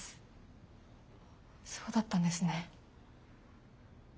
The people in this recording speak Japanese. そうだったんですね。